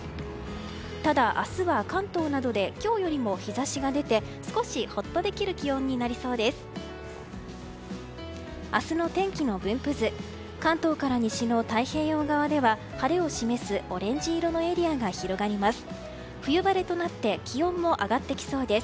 ただ、明日は関東などで今日よりも日差しが出て少しホッとできる気温になりそうです。